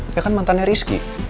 dia kan mantannya rizky